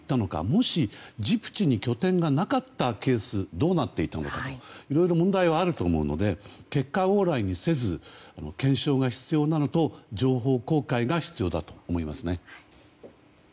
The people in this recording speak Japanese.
もしジブチに拠点がなかったケースはどうなっていたのかなどいろいろ問題はあると思うので結果オーライにせず検証が必要なのと情報公開が必要だと思いますね。